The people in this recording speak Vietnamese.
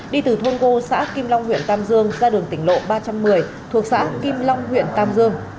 đi từ thôn gô xã kim long huyện tam dương ra đường tỉnh lộ ba trăm một mươi thuộc xã kim long huyện tam dương